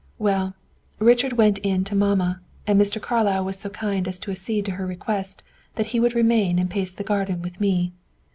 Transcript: Well, Richard went in to mamma, and Mr. Carlyle was so kind as to accede to her request that he would remain and pace the garden with me.